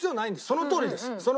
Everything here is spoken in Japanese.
そのとおりです。